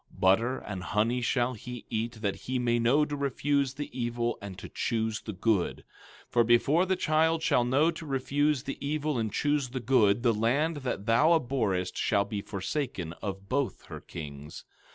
17:15 Butter and honey shall he eat, that he may know to refuse the evil and to choose the good. 17:16 For before the child shall know to refuse the evil and choose the good, the land that thou abhorrest shall be forsaken of both her kings.